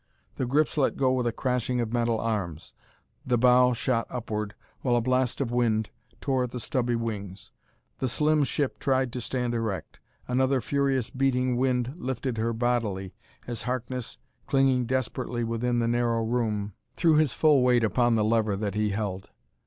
The grips let go with a crashing of metal arms. The bow shot upward while a blast of wind tore at the stubby wings. The slim ship tried to stand erect. Another furious, beating wind lifted her bodily, as Harkness, clinging desperately within the narrow room, threw his full weight upon the lever that he held.